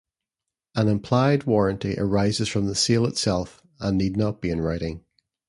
An implied warranty arises from the sale itself, and need not be in writing.